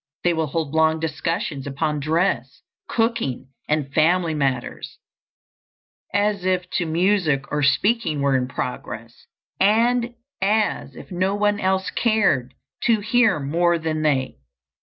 They will hold long discussions upon dress, cooking, and family matters, as if no music or speaking were in progress, and as if no one else cared to hear more than they.